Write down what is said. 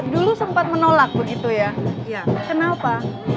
dulu sempat menolak begitu ya kenapa